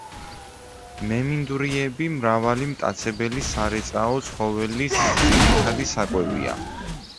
მემინდვრიები მრავალი მტაცებელი სარეწაო ცხოველის ძირითადი საკვებია.